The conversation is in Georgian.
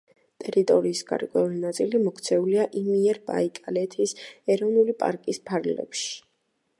ტერიტორიის გარკვეული ნაწილი მოქცეულია იმიერბაიკალეთის ეროვნული პარკის ფარგლებში.